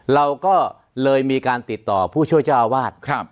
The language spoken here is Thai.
เราก็เลยมีการติดต่อผู้ช่วยเจ้าอาวาส